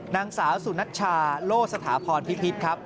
นางสาวสุนัชชาโลสถาพรพิพิษครับ